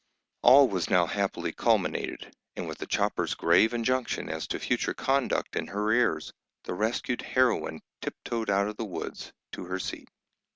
All was now happily culminated, and with the chopper's grave injunction as to future conduct in her ears, the rescued heroine tiptoed out of the woods, to her seat.